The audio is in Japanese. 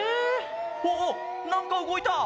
おおおおなんかうごいた！